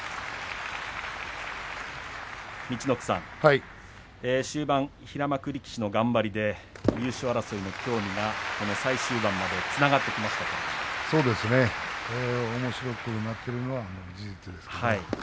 陸奥さん、終盤平幕力士の頑張りで優勝争いに興味がこの最終盤までおもしろくなっているのは事実です。